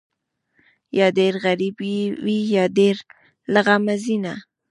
یا ډېر غریب وي، یا د یار له غمه ځینه